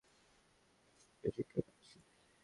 সুখ-দুঃখ, আনন্দ-নিরানন্দের মধ্যে আমরা শুধু এই শিক্ষাই পাচ্ছি।